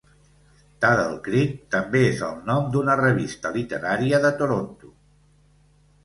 Taddle Creek també és el nom d'una revista literària de Toronto.